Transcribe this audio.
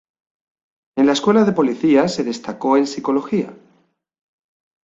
En la Escuela de Policía se destacó en psicología.